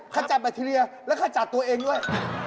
ขจัดแบคทีเรียแล้วขจัดตัวเองด้วย